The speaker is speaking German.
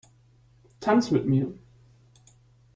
Tanz mit mir!